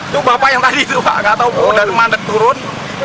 itu bapak yang tadi itu pak gak tau mandek turun